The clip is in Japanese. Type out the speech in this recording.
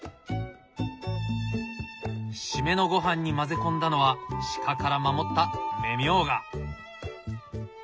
締めのごはんに混ぜ込んだのは鹿から守った芽ミョウガ！